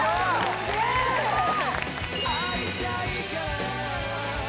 すごい！